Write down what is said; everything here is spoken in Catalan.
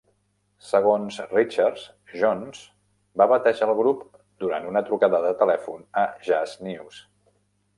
Segons Richards, Jones va batejar el grup durant una trucada de telèfon a "Jazz News".